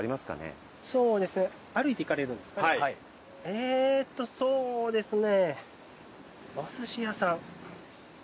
えーっとそうですね。